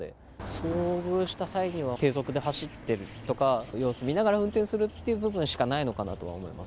遭遇した際には低速で走るとか、様子見ながら運転するという部分しかないのかなと思います。